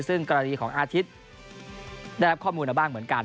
ซึ่งกรณีของอาทิตย์ได้รับข้อมูลมาบ้างเหมือนกัน